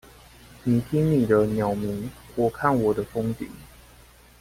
你聽你的鳥鳴，我看我的風景